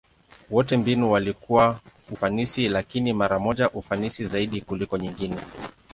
Wote mbinu walikuwa ufanisi, lakini mara moja ufanisi zaidi kuliko nyingine.